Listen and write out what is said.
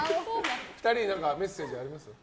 ２人にメッセージありますか？